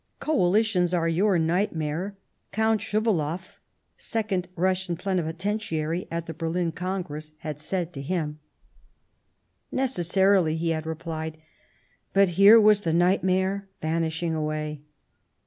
"Coalitions are your nightmare," Count Schou valoff, second Russian Plenipotentiary at the Berlin Congress, had said to him. 188 The German Empire " Necessarily," he had repUed. And here was the nightmare vanishing away.